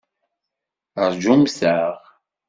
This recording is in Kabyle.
Rjumt-aɣ!